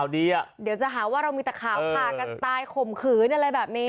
เดี๋ยวจะหาว่าเรามีแต่ข่าวผ่ากันตายข่มขืนอะไรแบบนี้